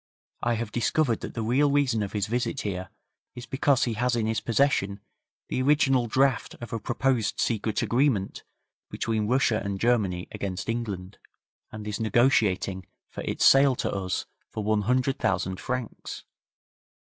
I have discovered that the reason of his visit here is because he has in his possession the original draft of a proposed secret agreement between Russia and Germany against England, and is negotiating for its sale to us for one hundred thousand francs.